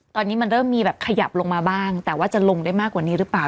ตอนนี้มันเริ่มมีแบบขยับลงมาบ้างแต่ว่าจะลงได้มากกว่านี้หรือเปล่า